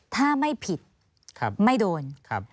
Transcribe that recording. ถ้าไม่ผิดไม่โดน